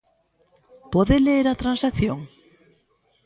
¿Pode ler a transacción?